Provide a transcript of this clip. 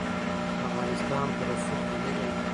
افغانستان په رسوب غني دی.